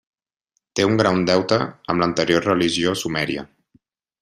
Té un gran deute amb l'anterior religió sumèria.